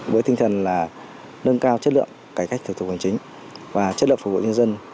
với tinh thần là nâng cao chất lượng cải cách thủ tục hành chính và chất lượng phục vụ nhân dân